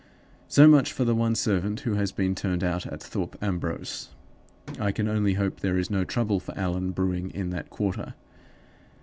So much for the one servant who has been turned out at Thorpe Ambrose. I can only hope there is no trouble for Allan brewing in that quarter.